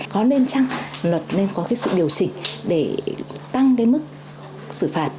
có nên chăng luật nên có sự điều chỉnh để tăng mức xử phạt